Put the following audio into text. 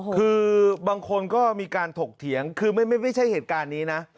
คือบางคนก็มีการถกเถียงคือไม่ใช่เหตุการณ์นี้นะ